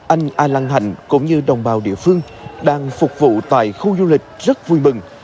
anh a lăng hạnh cũng như đồng bào địa phương đang phục vụ tại khu du lịch rất vui mừng